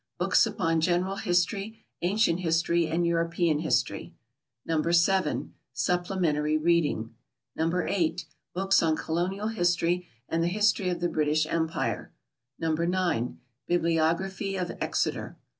Books upon General History, Ancient History and European History. No. 7. Supplementary Reading. No. 8. Books on Colonial History and The History of the British Empire. No. 9. Bibliography of Exeter.